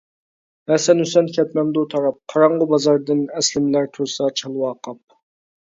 ھەسەن-ھۈسەن كەتمەمدۇ تاراپ، قاراڭغۇ بازاردىن، ئەسلىمىلەر تۇرسا چالۋاقاپ.